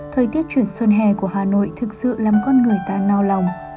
thời tiết chuyển xuân hè của hà nội thực sự làm con người ta đau lòng